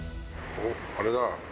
おっ、あれだ。